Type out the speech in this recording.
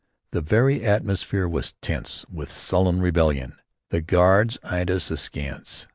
The very atmosphere was tense with sullen rebellion. The guards eyed us askance.